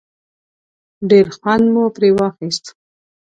ډېر خوند مو پرې واخیست.